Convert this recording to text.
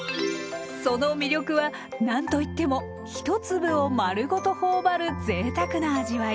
その魅力はなんと言っても一粒を丸ごと頬張るぜいたくな味わい。